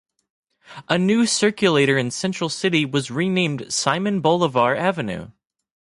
A new circulator in Central City was renamed Simon Bolivar Avenue.